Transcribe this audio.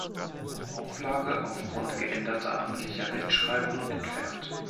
Auflage aufgrund geänderter amtlicher Rechtschreibung entfernt.